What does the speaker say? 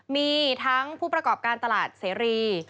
มีทั้งผู้ประกอบการตลาดเสรี